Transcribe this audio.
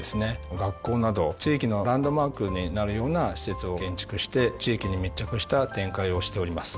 学校など地域のランドマークになるような施設を建築して地域に密着した展開をしております。